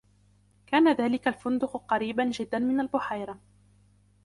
كان ذاك الفندق قريباً جداً من البحيرة.